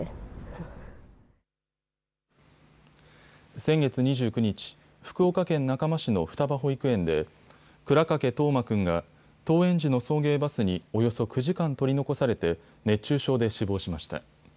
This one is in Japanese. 先月２９日、福岡県中間市の双葉保育園で倉掛冬生君が登園時の送迎バスにおよそ９時間取り残されて熱中症で死亡しました。